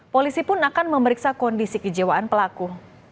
polisi pun akan memeriksa kondisi kejiwaan pelaku